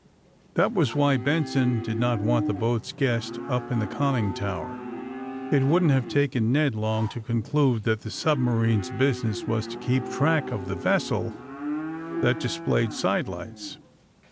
That was why Benson did not want the boat's guest np in the conning tower. It wouldn't have taken Ned long to conclnde that the submarine 's business was to keep track of the vessel that displayed sidelights.